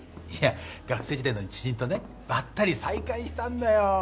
いや学生時代の知人とねばったり再会したんだよ。